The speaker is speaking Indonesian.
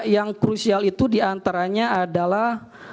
yang krusial itu diantaranya adalah